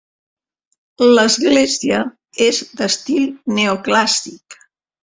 L'església és d'estil neoclàssic.